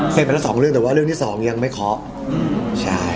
มีบรรยาทั้ง๒เรื่องแต่เรื่องที่๒ยังไม่เค้าบอก